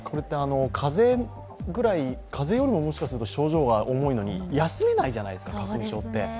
風邪よりも、もしかしたら症状が重いのに休めないじゃないですか、花粉症って。